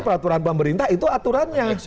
peraturan pemerintah itu aturannya